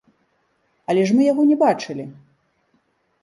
Але ж мы яго не бачылі!